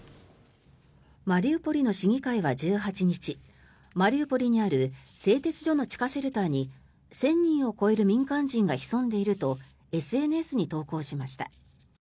マリウポリの市議会は１８日マリウポリにある製鉄所の地下シェルターに１０００人を超える民間人が潜んでいるとＳＮＳに投稿しました。